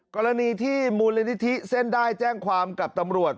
กรณีที่มูลนิธิเส้นได้แจ้งความกับตำรวจ